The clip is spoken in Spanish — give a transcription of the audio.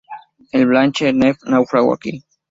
El "Blanche-Nef" naufragó aquí.